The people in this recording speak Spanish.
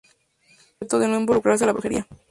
Con el objetivo de no involucrarse a la brujería.